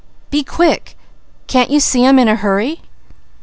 "Be quick! Can't you see I'm in a hurry?"